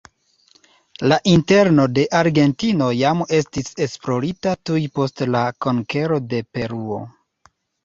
La interno de Argentino jam estis esplorita tuj post la konkero de Peruo.